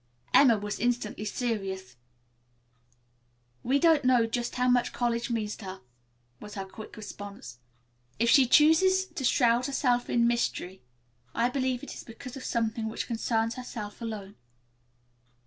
Emma was instantly serious. "We do not know just how much college may mean to her," was her quick response. "If she chooses to shroud herself in mystery, I believe it is because of something which concerns herself alone."